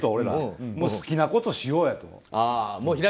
なら好きなことしようやと。